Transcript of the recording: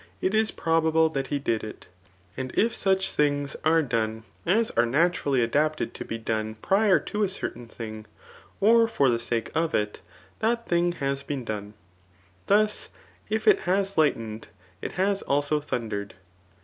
161 to do a thiD^ it is probable that he did iu And if such things are' done as are* naturally adapted tp be done prior to a certain thing, or for the sake of it, [that thing has been done.J * Thu^ if it has lightened^ it has also thun dered.